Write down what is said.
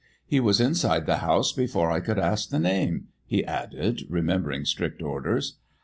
He was inside the house before I could ask the name," he added, remembering strict orders.